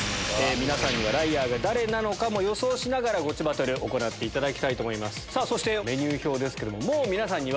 皆さんにはライアーが誰なのかも予想しながらゴチバトル行っていただきたいと思います。